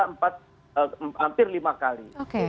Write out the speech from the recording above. empat hampir lima kali